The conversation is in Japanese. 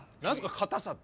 硬さって。